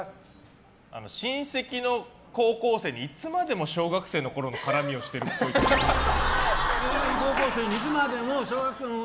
親戚の高校生にいつまでも小学生のころの絡みをしてるっぽい。